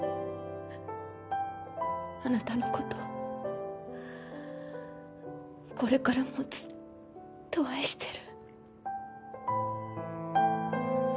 あなたの事これからもずっと愛してる。